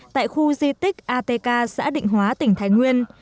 tại khu di tích atk xã định hóa tỉnh thái nguyên